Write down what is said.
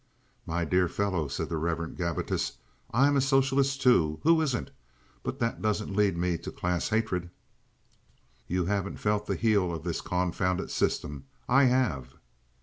"My dear fellow," said the Rev. Gabbitas, "I'm a socialist too. Who isn't. But that doesn't lead me to class hatred." "You haven't felt the heel of this confounded system. I have."